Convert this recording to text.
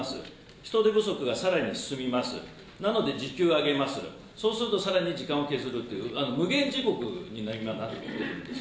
人手不足がさらに進みます、なので、時給を上げます、そうすると、さらに時間を削るという、無限地獄に今なってるんです。